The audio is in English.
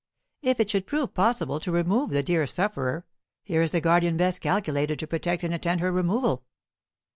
If it should prove possible to remove the dear sufferer, here is the guardian best calculated to protect and attend her removal."